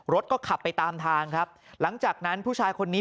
รถก็ขับไปตามทางครับหลังจากนั้นผู้ชายคนนี้